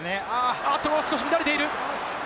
あと少し乱れている。